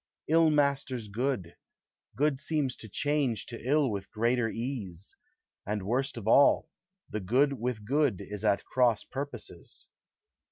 Ill masters good, good seems to change To ill with greater ease; And, worst of all, the good with good Is at cross purposes.